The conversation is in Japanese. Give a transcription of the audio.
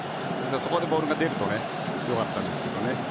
そこにボールが出るとよかったんですけどね。